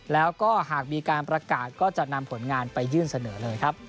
แล้วก็หากมีการประกาศก็จะนำผลงานไปยื่นเสนอเลยครับ